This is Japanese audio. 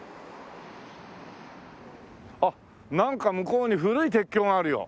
あっなんか向こうに古い鉄橋があるよ。